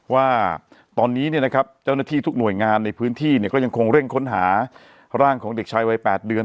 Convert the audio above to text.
ว่าตอนนี้เนี่ยนะครับเจ้าหน้าที่ทุกหน่วยงานในพื้นที่ก็ยังคงเร่งค้นหาร่างของเด็กชายวัย๘เดือน